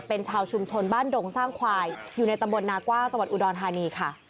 เป็นชาวชุมชนบ้านดงสร้างควายอยู่ในตำบลนากว้างจังหวัดอุดรธานีค่ะ